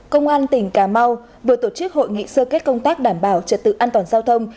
công an tỉnh cà mau vừa tổ chức hội nghị sơ kết công tác đảm bảo trật tự an toàn giao thông